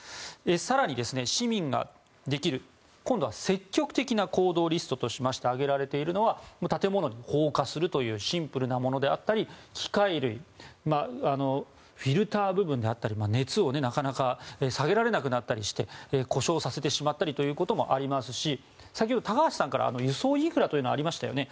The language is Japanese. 更に、市民ができる今度は積極的な行動リストとして挙げられているのは建物に放火するというシンプルなものであったり機械類フィルター部分であったり熱を下げられなくなったりして故障させてしまったりということもありますし先ほど高橋さんから輸送インフラというのがありましたよね。